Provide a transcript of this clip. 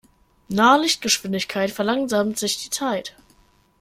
Nahe Lichtgeschwindigkeit verlangsamt sich die Zeit.